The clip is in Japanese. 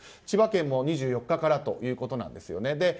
千葉県も２４日からということなんです。